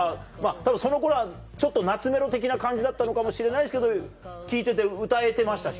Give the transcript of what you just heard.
たぶんその頃は懐メロ的な感じだったのかもしれないですけど聴いてて歌えてましたしね。